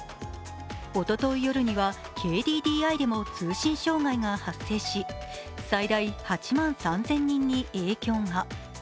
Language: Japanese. おととい夜には、ＫＤＤＩでも通信障害が発生し最大８万３０００人に影響が。